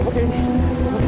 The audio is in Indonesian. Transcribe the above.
gak ada apa apa bu